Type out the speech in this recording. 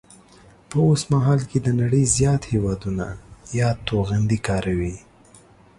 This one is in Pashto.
په اوسمهال کې د نړۍ زیات هیوادونه یاد توغندي کاروي